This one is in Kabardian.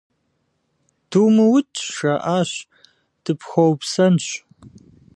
Думыукӏ, - жаӏащ,- дыпхуэупсэнщ.